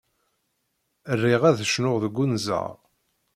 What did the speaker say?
Riɣ ad cnuɣ deg unẓar.